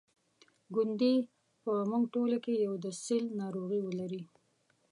ګوندي په موږ ټولو کې یو د سِل ناروغي ولري.